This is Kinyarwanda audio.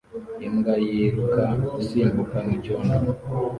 Imbwa yiruka isimbuka mucyondo